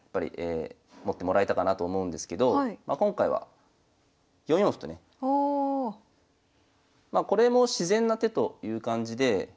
持ってもらえたかなと思うんですけど今回は４四歩とねまあこれも自然な手という感じで。